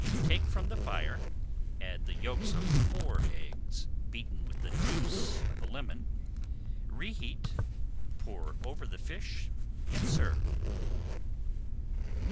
Take from the fire, add the yolks of four eggs beaten with the juice of a lemon, reheat, pour over the fish, and serve.